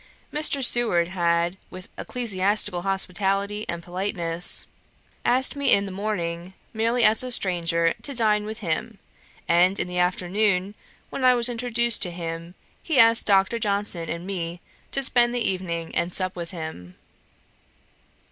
Mr. Seward had, with ecclesiastical hospitality and politeness, asked me in the morning, merely as a stranger, to dine with him; and in the afternoon, when I was introduced to him, he asked Dr. Johnson and me to spend the evening and sup with him.